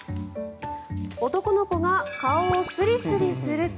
男の子が顔をスリスリすると。